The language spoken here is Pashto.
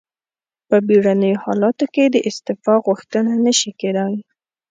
په بیړنیو حالاتو کې د استعفا غوښتنه نشي کیدای.